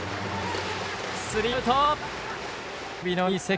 スリーアウト。